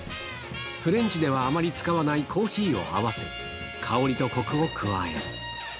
フレンチではあまり使わないコーヒーを合わせ、香りとコクを加える。